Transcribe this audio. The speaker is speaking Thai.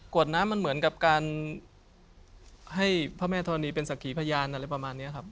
วดน้ำมันเหมือนกับการให้พระแม่ธรณีเป็นสักขีพยานอะไรประมาณนี้ครับ